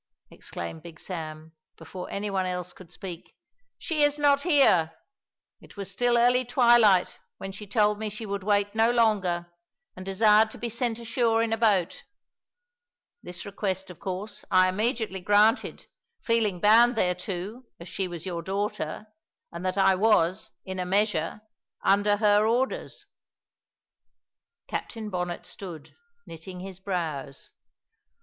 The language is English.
exclaimed Big Sam, before any one else could speak, "she is not here. It was still early twilight when she told me she would wait no longer, and desired to be sent ashore in a boat. This request, of course, I immediately granted, feeling bound thereto, as she was your daughter, and that I was, in a measure, under her orders." Captain Bonnet stood, knitting his brows.